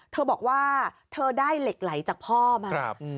เธอบอกว่าเธอได้เหล็กไหลจากพ่อมา